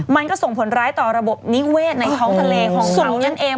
มันก็ส่งผลร้ายต่อระบบนิเวศในท้องทะเลของสูงนั่นเอง